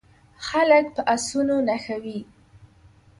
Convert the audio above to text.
خلک په اسونو نښه وي.